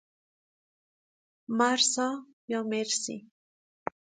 مرسا ـ مرسی